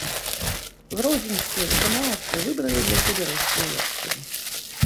Гродзенскія выканаўцы выбралі для сябе рускую версію.